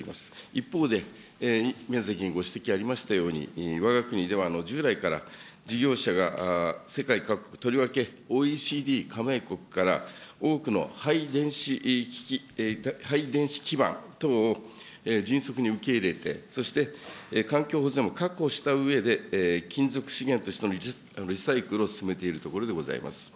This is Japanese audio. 一方で、宮崎委員ご指摘ありましたように、わが国では従来から事業者が世界各国、とりわけＯＥＣＤ加盟国から、多くの廃電子基板等を迅速に受け入れて、そして環境保全も確保したうえで、金属資源としてのリサイクルを進めているところでございます。